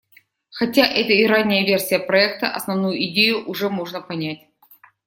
Хотя это и ранняя версия проекта, основную идею уже можно понять.